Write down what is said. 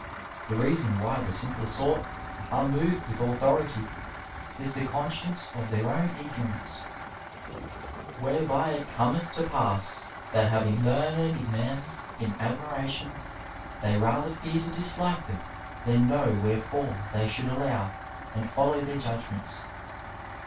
The reason why the simpler sort are moved with authority is the conscience of their own ignor ance ; whereby it cometh to pass that having learned men in admiration, they rather fear to dislike them than know wherefore they should allow and follow their judgments.